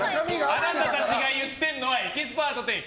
あなたたちが言っているのはエキスパート店員。